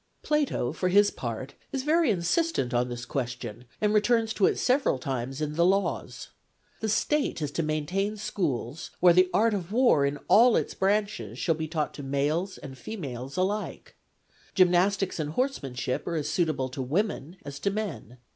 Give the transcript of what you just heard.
Plato for his part is very insistent on this question, and returns to it several times in the Laws. The State is to maintain schools, where the art of war in all its branches shall be taught to males and females alike. Gymnastics and horsemanship are as suitable to women as to men.